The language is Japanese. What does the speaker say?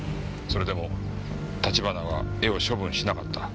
それでも橘は絵を処分しなかった。